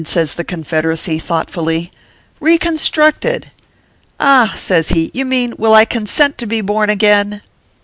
says the Confederacy, thought fully ;" reconstructed ! Ah !" says he, " you mean, will I consent to be born again